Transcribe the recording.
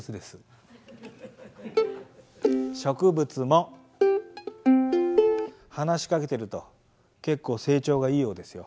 植物も話しかけてると結構成長がいいようですよ。